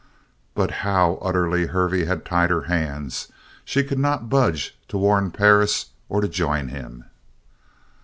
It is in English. But how utterly Hervey had tied her hands! She could not budge to warn Perris or to join him!